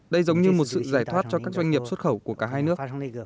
đây giống như một sự giải thoát cho các doanh nghiệp xuất khẩu của cả hai nước